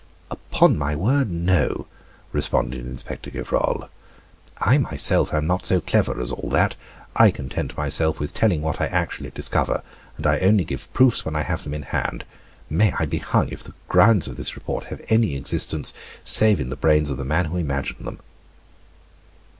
he asked. "Upon my word, no!" responded Inspector Gevrol. "I, myself, am not so clever as all that. I content myself with telling what I actually discover; and I only give proofs when I have them in hand. May I be hung if the grounds of this report have any existence save in the brains of the man who imagined them."